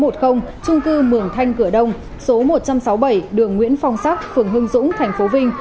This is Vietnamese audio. trung cư mường thanh cửa đông số một trăm sáu mươi bảy đường nguyễn phong sắc phường hưng dũng thành phố vinh